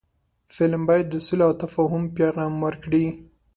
فلم باید د سولې او تفاهم پیغام ورکړي